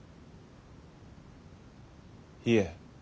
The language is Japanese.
いえ。